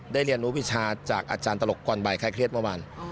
เรียนรู้วิชาจากอาจารย์ตลกก่อนบ่ายใครเครียดเมื่อวาน